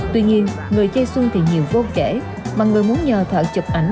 tuy nhiên người chơi xuân thì nhiều vô kể mà người muốn nhờ thợ chụp ảnh